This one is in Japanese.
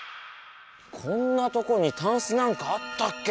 こんなとこにタンスなんかあったっけ？